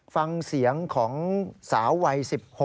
ฟังเสียงของสาววัย๑๖